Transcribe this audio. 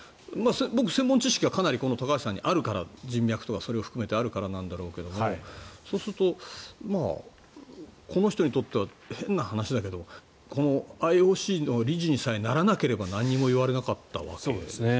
僕、専門知識はかなりこの高橋さんにあるから人脈とか含めてあるからなんだろうけどそうすると、この人にとっては変な話だけどこのＩＯＣの理事にさえならなければ何も言われなかったわけですよね。